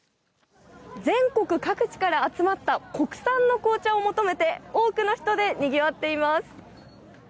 全国各地から集まった国産の紅茶を求めて多くの人でにぎわっています。